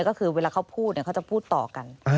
ก็คือเวลาเขาพูดเขาจะพูดต่อกัน